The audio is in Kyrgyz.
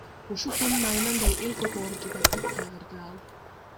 Ушу суунун айынан да эл көп ооруп жатат, — деп кайгырды ал.